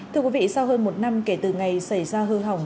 thưa quý vị sau hơn một năm kể từ ngày xảy ra hư hỏng